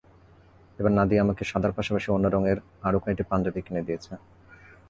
এবার নাদিয়া আমাকে সাদার পাশাপাশি অন্য রঙের আরও কয়েকটি পাঞ্জাবি কিনে দিয়েছে।